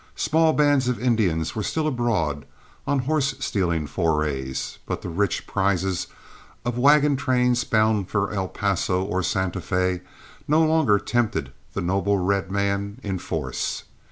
Small bands of Indians were still abroad on horse stealing forays, but the rich prizes of wagon trains bound for El Paso or Santa Fé no longer tempted the noble red man in force.